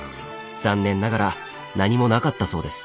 残念ながら何もなかったそうです。